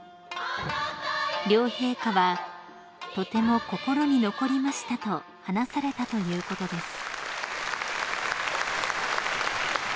［両陛下は「とても心に残りました」と話されたということです］